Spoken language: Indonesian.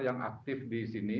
yang aktif disini